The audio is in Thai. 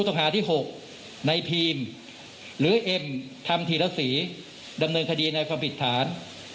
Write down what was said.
๖ในพีมหรือเอ็มทำทีละสีดำเนินคดีในความผิดฐาน